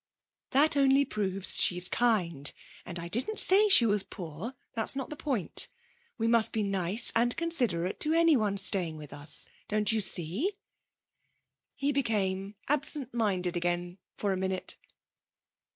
'That only proves she's kind. And I didn't say she was poor; that's not the point. We must be nice and considerate to anyone staying with us don't you see?' He became absent minded again for a minute.